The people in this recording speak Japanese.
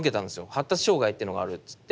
発達障害ってのがあるっつって。